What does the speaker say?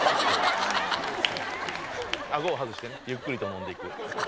アゴをはずしてねゆっくりと飲んでいく。